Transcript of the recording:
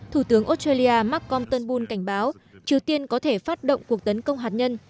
thủ tướng australia mark compton boone cảnh báo triều tiên có thể phát động cuộc tấn công hạt nhân